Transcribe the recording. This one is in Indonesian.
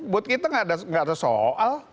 buat kita nggak ada soal